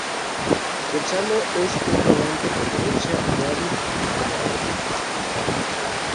Gonzalo es un volante por derecha y hábil como mediocampista central.